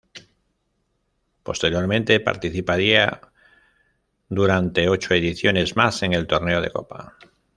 Posteriormente participaría durante ocho ediciones más en el torneo de copa.